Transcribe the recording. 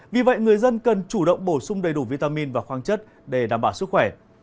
vì vậy người dân cần chủ động bổ sung đầy đủ vitamin và khoang chất để đảm bảo sức khỏe